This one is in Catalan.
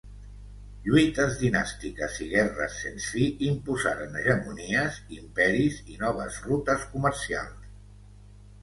Lluites dinàstiques i guerres sens fi imposaren hegemonies, imperis i noves rutes comercials.